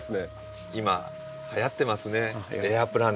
今はやってますねエアプランツ。